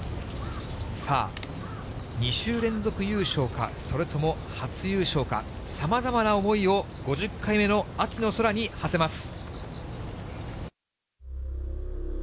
さあ、２週連続優勝か、それとも初優勝か、さまざまな思いを５０回目の秋の空にはせます。